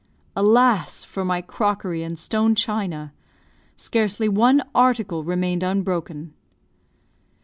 Alas, for my crockery and stone china! scarcely one article remained unbroken.